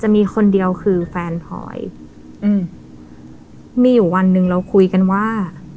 มีคนเดียวคือแฟนพลอยอืมมีอยู่วันหนึ่งเราคุยกันว่า